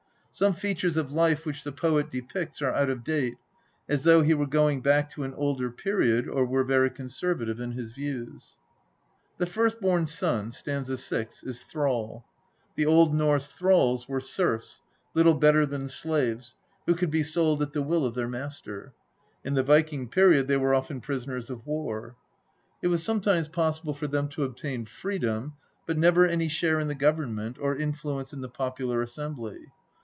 Some features of life which the poet depicts are out of date, as though he were going back to an older period, or were very conservative in his views. The first born son (st. 6) is Thrall. The Old Norse thralls were serfs, little better than slaves, who could be sold at the will of their master. In the Viking period they were often prisoners of war. It was sometimes possible for them to obtain freedom, but never any share in the government, or influence in the popular assembly.